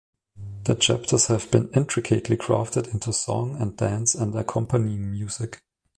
The chapters have been intricately crafted into song and dance and accompanying music.